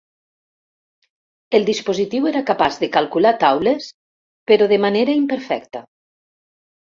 El dispositiu era capaç de calcular taules, però de manera imperfecta.